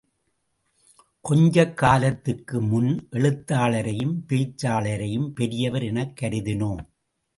கொஞ்ச காலத்துக்குமுன் எழுத்தாளரையும் பேச்சாளரையும் பெரியவர் எனக் கருதினோம்.